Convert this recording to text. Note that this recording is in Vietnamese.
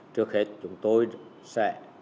trước hết chúng tôi sẽ